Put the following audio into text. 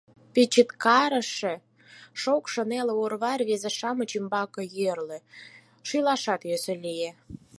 Пичыктарыше, шокшо неле орва рвезе-шамыч ӱмбаке йӧрльӧ, шӱлашат йӧсӧ лие.